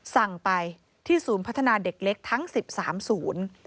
สั่งไปที่ศูนย์พัฒนาเด็กเล็กทั้ง๑๓ศูนย์